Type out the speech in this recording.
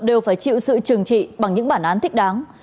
đều phải chịu sự trừng trị bằng những bản án thích đáng